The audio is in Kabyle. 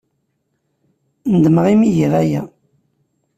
Nedmeɣ imi ay giɣ aya.